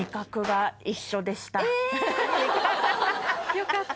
よかった。